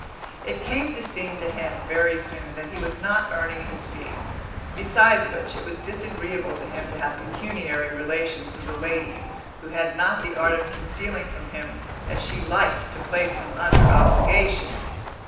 It came to seem to him, very soon, that he was not earning his fee; besides which, it was disagreeable to him to have pecuniary relations with a lady who had not the art of concealing from him that she liked to place him under obligations.